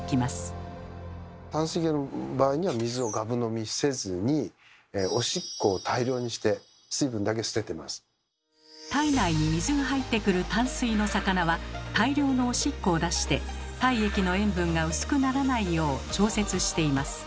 淡水魚の場合には体内に水が入ってくる淡水の魚は大量のおしっこを出して体液の塩分が薄くならないよう調節しています。